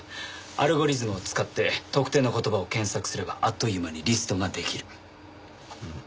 アルゴリズムを使って特定の言葉を検索すればあっという間にリストができる。